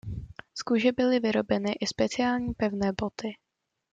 Z kůže byly vyrobeny i speciální pevné boty.